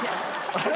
あれ？